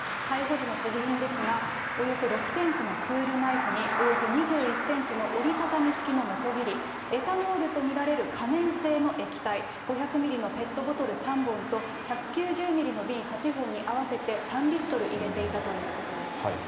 逮捕時の所持品ですが、およそ６センチのツールナイフに、およそ２１センチの折り畳み式ののこぎり、エタノールと見られる可燃性の液体、５００ミリのペットボトル３本と１９０ミリの瓶８本に合わせて３リットル入れていたということです。